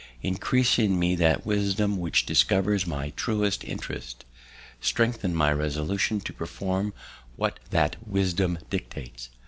Increase in me that wisdom which discovers my truest interest. Strengthen my resolutions to perform what that wisdom dictates.